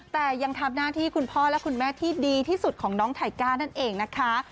แต่ยังทำหน้าที่คุณพ่อและคุณแม่ที่ดีที่สุดของน้องไทก้านั่นเองนะคะ